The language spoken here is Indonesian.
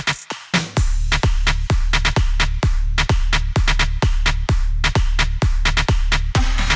balik lagi ya